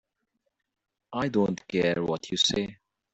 I don't care what you say.